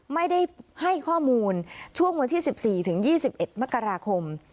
ไม่ได้ให้ข้อมูลช่วงวันที่๑๔ถึง๒๑มกราคม